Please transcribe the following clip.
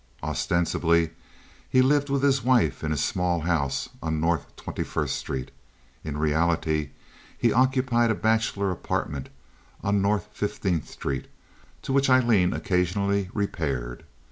Ostensibly he lived with his wife in a small house on North Twenty first Street. In reality he occupied a bachelor apartment on North Fifteenth Street, to which Aileen occasionally repaired.